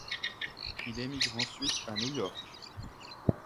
Il émigre ensuite à New York.